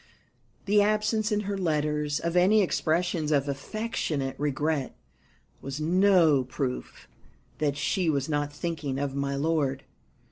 The absence, in her letters, of any expressions of affectionate regret was no proof that she was not thinking of my lord.